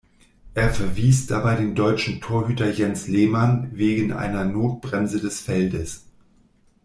Er verwies dabei den deutschen Torhüter Jens Lehmann wegen einer Notbremse des Feldes.